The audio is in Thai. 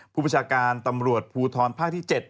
ประชาการตำรวจภูทรภาคที่๗